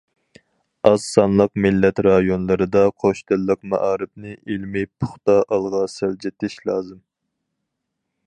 ئاز سانلىق مىللەت رايونلىرىدا قوش تىللىق مائارىپنى ئىلمىي، پۇختا ئالغا سىلجىتىش لازىم.